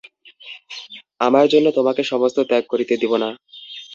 আমার জন্য তোমাকে সমস্ত ত্যাগ করিতে দিব না।